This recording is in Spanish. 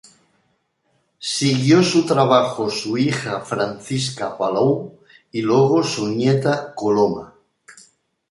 Siguió su trabajo su hija Francisca Palou y luego su nieta Coloma.